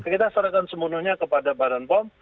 kita serahkan sepenuhnya kepada badan pom